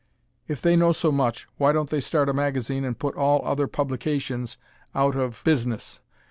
If they know so much why don't they start a magazine and put all other publications out of business?